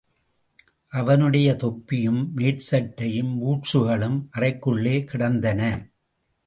அவனுடைய தொப்பியும், மேற்சட்டையும், பூட்ஸுகளும் அறைக்குள்ளே கிடந்தன.